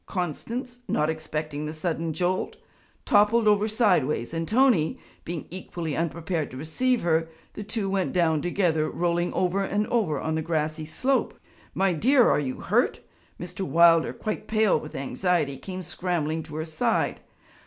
Constance, not expecting the sudden jolt, toppled over sidewise, and Tony, being equally unprepared to receive her, the two went down together rolling over and over on the grassy slope. 'My dear, are you hurt?' Mr. Wilder, quite pale with anxiety, came scrambling to her side.